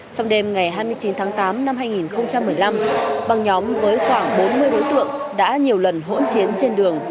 trong đêm ngày hai mươi chín tháng tám năm hai nghìn một mươi năm băng nhóm với khoảng bốn mươi đối tượng đã nhiều lần hỗn chiến trên đường